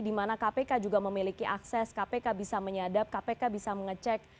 di mana kpk juga memiliki akses kpk bisa menyadap kpk bisa mengecek